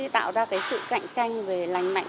tạo ra sự cạnh tranh về lành mạnh